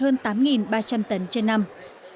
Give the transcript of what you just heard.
hơn tám ba trăm linh tấn trên năm